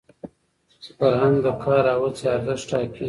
فرهنګ د کار او هڅي ارزښت ټاکي.